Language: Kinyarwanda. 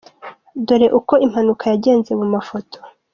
Dore uko impanuka yagenze mu mafoto :.